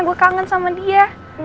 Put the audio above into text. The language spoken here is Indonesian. gue kangen sama dia